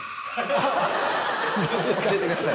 教えてください。